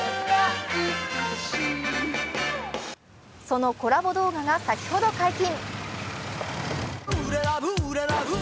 そのコラボ動画が先ほど解禁。